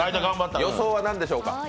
予想は何でしょうか。